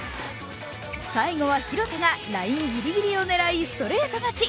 最後は廣田がラインギリギリを狙いストレート勝ち。